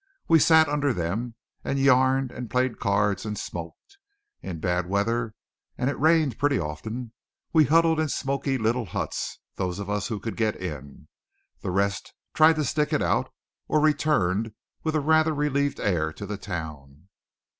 We sat under them, and yarned and played cards and smoked. In bad weather and it rained pretty often we huddled in smoky little huts; those of us who could get in. The rest tried to stick it out; or returned with rather a relieved air to the town.